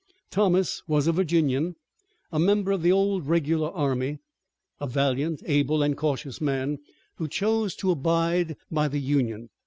Thomas was a Virginian, a member of the old regular army, a valiant, able, and cautious man, who chose to abide by the Union.